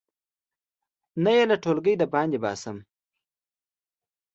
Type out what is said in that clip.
نه یې له ټولګي د باندې باسم.